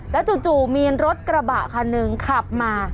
จู่มีรถกระบะคันหนึ่งขับมา